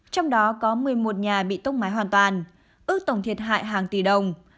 trong đó có một mươi một nhà bị tốc máy hoàn toàn ước tổng thiệt hại hàng tỷ đồng